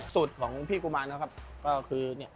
สูตรของพี่กุมารนะครับก็คือเนี่ย